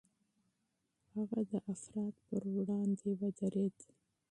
هغه د افراط پر وړاندې ودرېد.